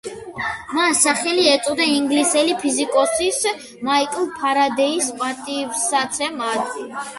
მას სახელი ეწოდა ინგლისელი ფიზიკოსის მაიკლ ფარადეის პატივსაცემად.